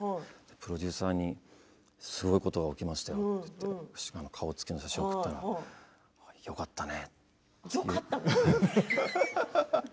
プロデューサーにすごいことが起きましたよと言って顔つきの写真をよかったね？